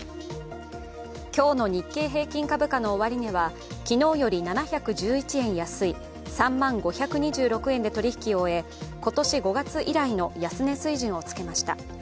今日の日経平均株価の終値は昨日より７１１円安い３万５２６円で取り引きを終え、今年５月以来の安値水準をつけました。